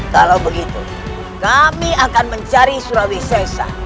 kalau begitu kami akan mencari surawi sesa